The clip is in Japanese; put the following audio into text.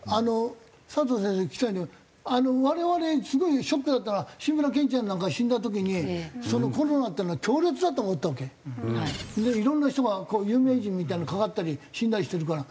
佐藤先生に聞きたいんだけど我々すごいショックだったのが志村けんちゃんなんかが死んだ時にコロナっていうのは強烈だと思ったわけ。でいろんな人が有名人みたいのがかかったり死んだりしてるから。